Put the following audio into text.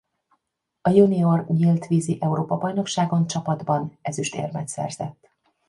A junior nyílt vízi Európa-bajnokságon csapatban ezüstérmet szerzett.